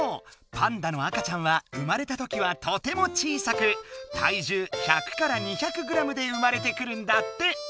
パンダの赤ちゃんは生まれたときはとても小さく体重１００から２００ｇで生まれてくるんだって！